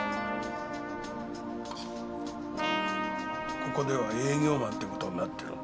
ここでは営業マンってことになってるんだ。